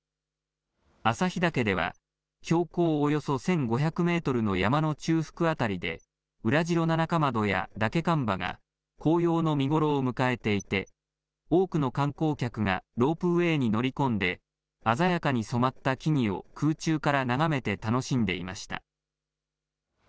旭岳では、標高およそ１５００メートルの山の中腹辺りで、ウラジロナナカマドやダケカンバが紅葉の見頃を迎えていて、多くの観光客がロープウエーに乗り込んで、鮮やかに染まった木々を空中から眺めて楽しんでいました。